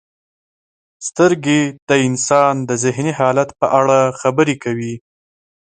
• سترګې د انسان د ذهني حالت په اړه خبرې کوي.